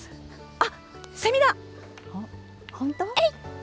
あっ、セミだ。